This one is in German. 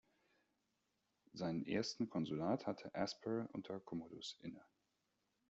Seinen ersten Konsulat hatte Asper unter Commodus inne.